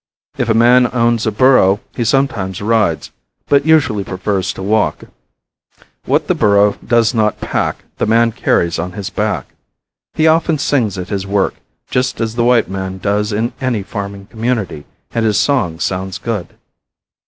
If a man owns a burro he sometimes rides, but usually prefers to walk. What the burro does not pack, the man carries on his back. He often sings at his work, just as the white man does in any farming community, and his song sounds good.